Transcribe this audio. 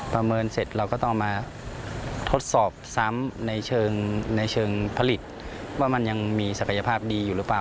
ประเมินเสร็จเราก็ต้องมาทดสอบซ้ำในเชิงในเชิงผลิตว่ามันยังมีศักยภาพดีอยู่หรือเปล่า